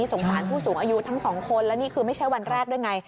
สงสารผู้สูงอายุทั้งสองคนและนี่คือไม่ใช่วันแรกด้วยไง